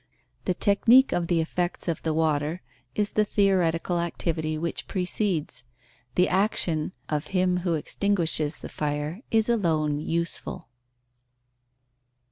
The technique of the effects of the water is the theoretical activity which precedes; the action of him who extinguishes the fire is alone useful.